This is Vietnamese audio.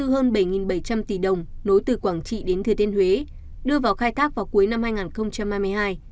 hơn bảy bảy trăm linh tỷ đồng nối từ quảng trị đến thừa thiên huế đưa vào khai thác vào cuối năm hai nghìn hai mươi hai